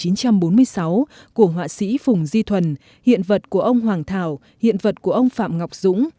năm một nghìn chín trăm bốn mươi sáu của họa sĩ phùng di thuần hiện vật của ông hoàng thảo hiện vật của ông phạm ngọc dũng